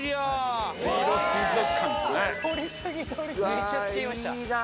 めちゃくちゃいました！